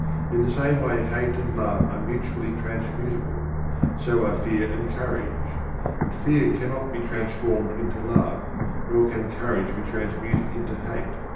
In the same way Hate and Love are mutually transmutable; so are Fear and Courage. But Fear cannot be transformed into Love, nor can Courage be transmuted into Hate.